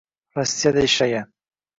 Rossiyada ishlagan